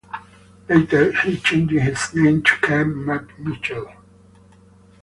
Later, he changed his name to Kenn Michael.